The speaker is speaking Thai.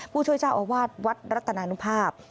ผู้ช่วยเจ้าอาวาสวัดรัตนานุภาพ